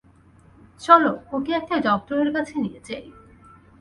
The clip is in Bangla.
চলো ওকে একটা ডক্টরের কাছে নিয়ে যাই।